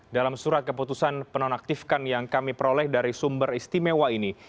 dalam surat keputusan penonaktifkan yang kami peroleh dari sumber istimewa ini